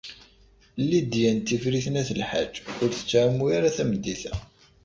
Lidya n Tifrit n At Lḥaǧ ur tettɛumu ara tameddit-a.